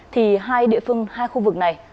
thì hai địa phương hai khu vực này